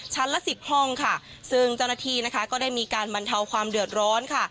ละสิบห้องค่ะซึ่งเจ้าหน้าที่นะคะก็ได้มีการบรรเทาความเดือดร้อนค่ะ